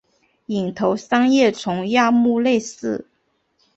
隐头三叶虫亚目类似。